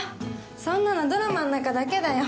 そんなのドラマの中だけだよ。